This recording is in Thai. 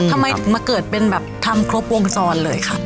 ทำไมถึงมาเกิดเป็นแบบทำครบวงจรเลยค่ะ